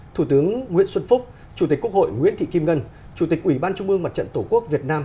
thủ tướng nguyễn xuân phúc chủ tịch quốc hội nguyễn thị kim ngân chủ tịch ủy ban trung mương mặt trận tổ quốc việt nam